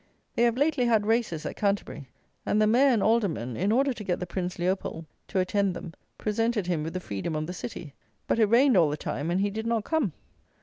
They have lately had races at Canterbury; and the Mayor and Aldermen, in order to get the Prince Leopold to attend them, presented him with the Freedom of the City; but it rained all the time and he did not come!